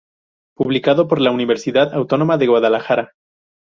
Publicado por la Universidad Autónoma de Guadalajara.